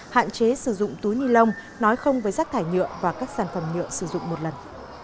hạn chế sử dụng túi ni lông nói không với rác thải nhựa và các sản phẩm nhựa sử dụng một lần